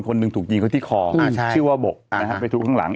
คนหนึ่งถูกยิงเขาที่คออ่าใช่ชื่อว่าบกอ่านะครับไปถูกข้างหลัง